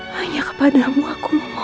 hanya kepadamu aku mau mohon